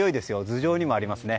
頭上にもありますね。